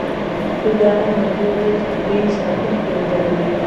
فیوډالان مجبوریدل چې په دوی ساتونکي ودروي.